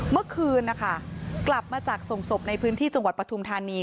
เมื่อคืนนะคะกลับมาจากส่งศพในพื้นที่จังหวัดปฐุมธานี